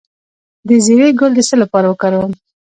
د زیرې ګل د څه لپاره وکاروم؟